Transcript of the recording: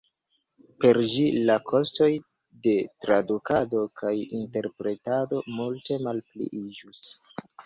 Per ĝi, la kostoj de tradukado kaj interpretado multe malpliiĝus.